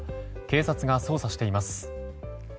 警察が捜査しています。